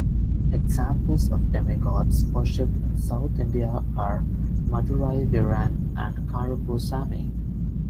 Examples of demigods worshiped in South India are Madurai Veeran and Karuppu Sami.